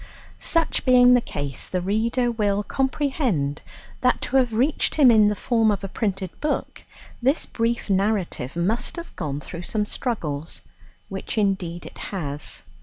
Such being the case, the reader will comprehend that to have reached him in the form of a printed book, this brief narrative must have gone through some struggles which indeed it has.